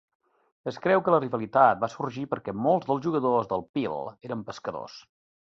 Es creu que la rivalitat va sorgir perquè molts dels jugadors de Peel eren pescadors.